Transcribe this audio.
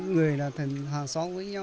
người là thần hàng xóm với nhau